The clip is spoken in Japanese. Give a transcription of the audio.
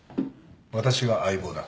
私が相棒だ。